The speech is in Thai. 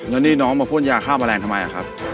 แล้วนี่น้องมาพ่นยาฆ่าแมลงทำไมครับ